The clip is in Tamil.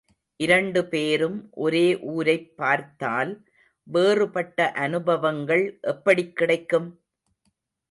இரண்டுபேரும் ஒரே ஊரைப் பார்த்தால் வேறுபட்ட அனுபவங்கள் எப்படிக் கிடைக்கும்?